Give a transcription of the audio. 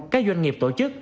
các doanh nghiệp tổ chức